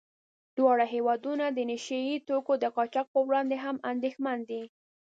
دواړه هېوادونه د نشه يي توکو د قاچاق په وړاندې هم اندېښمن دي.